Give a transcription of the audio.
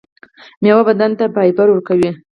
میوه بدن ته فایبر ورکوي